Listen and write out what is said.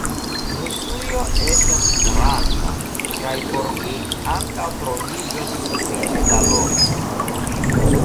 Rusujo estas granda, kaj por mi ankaŭ troviĝos sufiĉe da loko!